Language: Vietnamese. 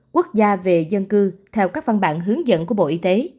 quốc gia về dân cư theo các văn bản hướng dẫn của bộ y tế